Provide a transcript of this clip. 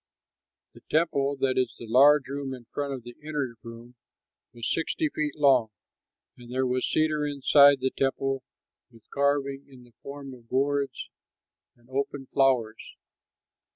The temple, that is the large room in front of the inner room, was sixty feet long. And there was cedar inside the temple with carving in the form of gourds and open flowers.